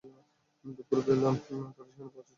দুপুর বেলা তারা সেখানে পৌঁছেন।